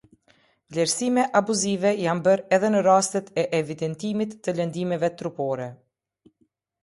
Vlerësime abuzive janë bërë edhe në rastet e evidentimit të lëndimeve trupore.